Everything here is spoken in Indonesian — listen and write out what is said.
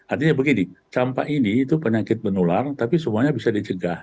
artinya begini campak ini itu penyakit menular tapi semuanya bisa dicegah